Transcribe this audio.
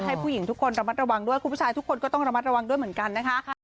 ให้ผู้หญิงทุกคนระมัดระวังด้วยคุณผู้ชายทุกคนก็ต้องระมัดระวังด้วยเหมือนกันนะคะ